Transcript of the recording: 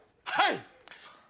はい。